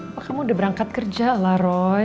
apa kamu udah berangkat kerja lah roy